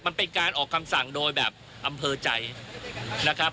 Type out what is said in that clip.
มันเป็นการออกคำสั่งโดยแบบอำเภอใจนะครับ